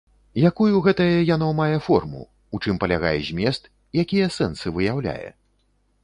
Якую гэтае яно мае форму, у чым палягае змест, якія сэнсы выяўляе?